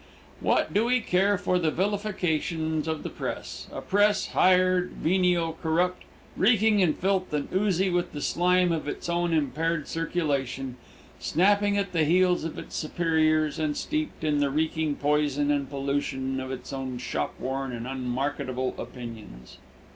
What do we care for the vilifications of the press a press, hired, venial, corrupt, reeking in filth and oozy with the slime of its own impaired circulation, snapping at the heels of its superiors, and steeped in the reeking poison and pollution of its own shopworn and unmarketable opinions?